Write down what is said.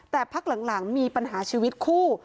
แต่พักหลังมีปัญหาชีวิตคู่